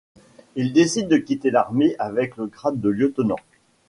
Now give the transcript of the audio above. Il décide de quitter l'armée avec le grade de lieutenant.